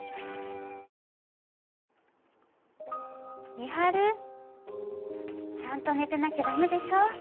美晴ちゃんと寝てなきゃ駄目でしょ。